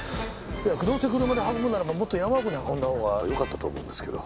どうせ車で運ぶならばもっと山奥に運んだほうがよかったと思うんですけど。